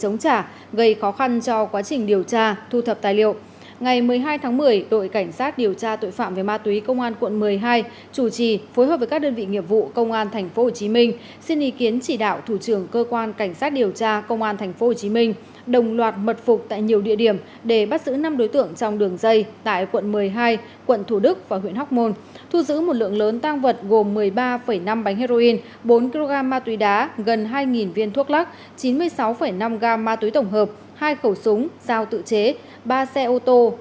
ngày một mươi hai tháng một mươi đội cảnh sát điều tra tội phạm về ma túy công an quận một mươi hai chủ trì phối hợp với các đơn vị nghiệp vụ công an tp hcm xin ý kiến chỉ đạo thủ trưởng cơ quan cảnh sát điều tra công an tp hcm đồng loạt mật phục tại nhiều địa điểm để bắt giữ năm đối tượng trong đường dây tại quận một mươi hai quận thủ đức và huyện hóc môn thu giữ một lượng lớn tang vật gồm một mươi ba năm bánh heroin bốn kg ma túy đá gần hai viên thuốc lắc chín mươi sáu năm g ma túy tổng hợp hai khẩu súng dao tự chế ba xe ô tô